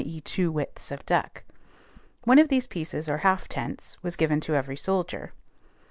e., two widths of duck. One of these pieces or half tents was given to every soldier.